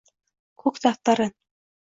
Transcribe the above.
Ko’k daftarin